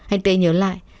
anh tê nhớ lại